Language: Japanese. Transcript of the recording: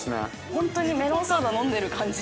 ◆本当にメロンソーダ飲んでる感じ。